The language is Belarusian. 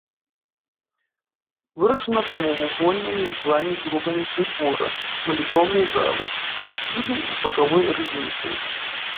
Вырашана прамавугольнымі ў плане зрубамі прытвора, малітоўнай залы, апсіды з бакавой рызніцай.